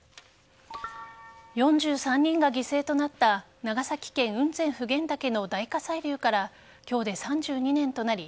４３人が犠牲となった長崎県雲仙・普賢岳の大火砕流から今日で３２年となり